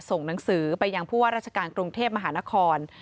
ส่งหนังสือไปยังผู้ว่าราชการกรุงเทพมหานคร